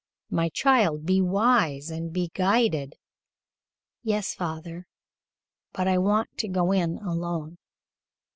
"My child, be wise and be guided." "Yes, father, but I want to go in alone."